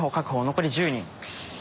残り１０人。